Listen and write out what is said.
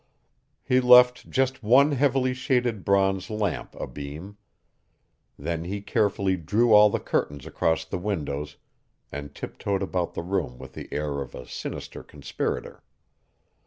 He left just one heavily shaded bronze lamp abeam. Then he carefully drew all the curtains across the windows and tiptoed about the room with the air of a sinister conspirator.